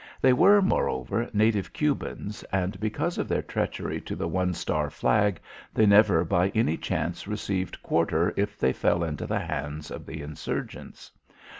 They were, moreover, native Cubans and because of their treachery to the one star flag, they never by any chance received quarter if they fell into the hands of the insurgents.